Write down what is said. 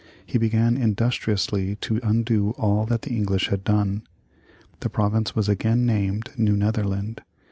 He began industriously to undo all that the English had done. The province was again named New Netherland.